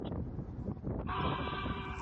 په کلتور کې د هر چا حق خوندي دی.